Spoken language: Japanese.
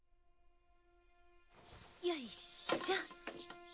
よいしょ。